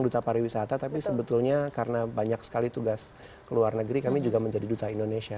duta pariwisata tapi sebetulnya karena banyak sekali tugas ke luar negeri kami juga menjadi duta indonesia